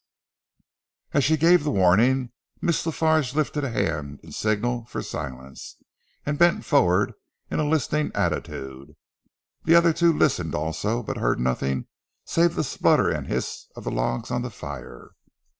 As she gave the warning, Miss La Farge lifted a hand, in signal for silence, and bent forward in a listening attitude. The other two listened also, but heard nothing save the splutter and hiss of the logs on the fire.